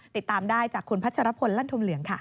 ติดตามได้จากคุณพัชรพลลั่นธมเหลืองค่ะ